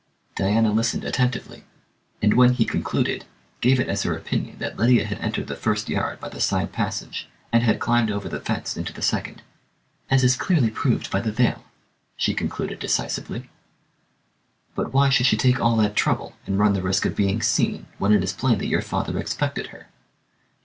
Diana listened attentively, and when he concluded gave it as her opinion that Lydia had entered the first yard by the side passage and had climbed over the fence into the second, "as is clearly proved by the veil," she concluded decisively. "But why should she take all that trouble, and run the risk of being seen, when it is plain that your father expected her?"